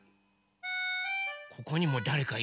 ここにもだれかいるのかな？